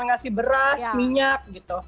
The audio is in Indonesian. ngasih beras minyak